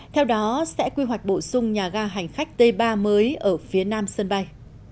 theo đó sẽ quy hoạch bổ sung nhà ga hành khách t ba mới ở phía nam sân bay